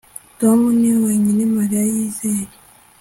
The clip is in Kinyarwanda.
Tom niwe wenyine Mariya yizeye